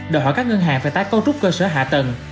đòi hỏi các ngân hàng phải tái cấu trúc cơ sở hạ tầng